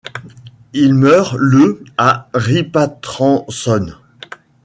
Il meurt le à Ripatransone.